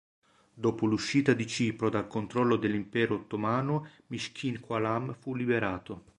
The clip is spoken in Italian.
Dopo l'uscita di Cipro dal controllo dell'Impero Ottomano Mishkín-Qalam fu liberato.